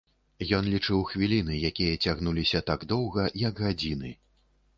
Ён лічыў хвіліны, якія цягнуліся так доўга, як гадзіны.